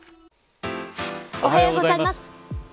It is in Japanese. おはようございます。